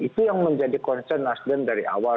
itu yang menjadi concern nasdem dari awal